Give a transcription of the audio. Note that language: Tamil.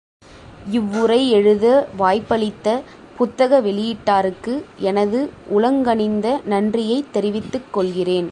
இவ்வுரை எழுத வாய்ப்பளித்த புத்தக வெளியீட்டாருக்கு எனது உளங்கனிந்த நன்றியைத் தெரிவித்துக் கொள்கிறேன்.